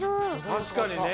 たしかにね。